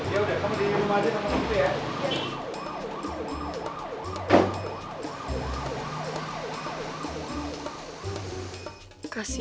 ya udah kamu di rumah aja sama aku gitu ya